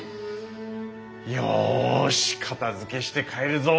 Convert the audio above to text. よし片づけして帰るぞ！